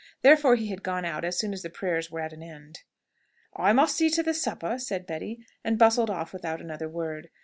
Therefore he had gone out as soon as the prayers were at an end. "I must see to the supper," said Betty, and bustled off without another word.